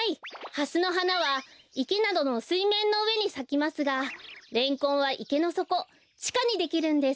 ハスのはなはいけなどのすいめんのうえにさきますがレンコンはいけのそこちかにできるんです。